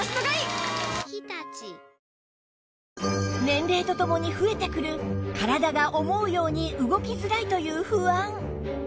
年齢とともに増えてくる体が思うように動きづらいという不安